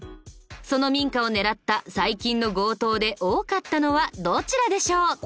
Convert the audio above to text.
その民家を狙った最近の強盗で多かったのはどちらでしょう？